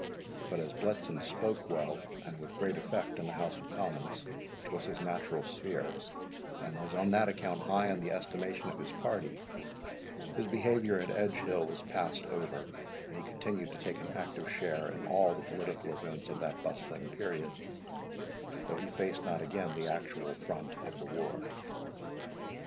But as Bletson spoke well, and with great effect in the House of Commons, which was his natural sphere, and was on that account high in the estimation of his party, his behaviour at Edgehill was passed over, and he continued to take an active share in all the political events of that bustling period, though he faced not again the actual front of war.